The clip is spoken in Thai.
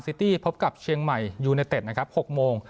ตี้พบกับเชียงใหม่ยูเนเต็ดนะครับ๖โมง